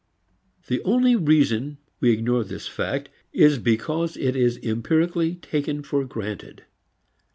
The only reason we ignore this fact is because it is empirically taken for granted.